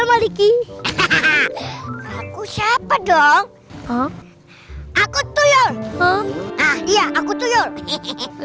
aku siapa dong aku tuh ya aku tuh ya